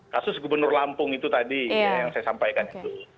kasus gubernur lampung itu tadi yang saya sampaikan itu